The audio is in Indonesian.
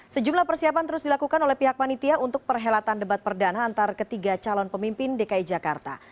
sejumlah persiapan terus dilakukan oleh pihak panitia untuk perhelatan debat perdana antar ketiga calon pemimpin dki jakarta